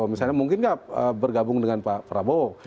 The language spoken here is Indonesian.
misalnya mungkin nggak bergabung dengan pak prabowo